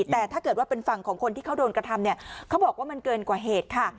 แต่ถ้าเกิดว่าเป็นฝั่งของคนที่เขาโดนกระทำเนี่ยเขาบอกว่ามันเกินกว่าเหตุค่ะ